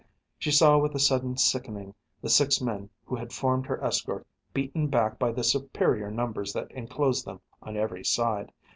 She saw with a sudden sickening the six men who had formed her escort beaten back by the superior numbers that enclosed them on every side.